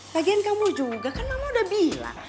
bagian kamu juga kan mama udah bilang